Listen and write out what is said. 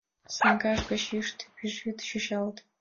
Саҥгаж гыч йӱштӧ пӱжвӱд чӱчалте.